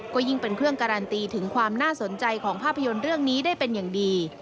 ก็ยิ่งเป็นเครื่องการันตีถึงความน่าสนใจของภาพยนตร์เรื่องนี้ได้เป็นอย่างดี